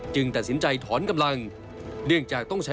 จึงตัดสินใจถอนกำลัง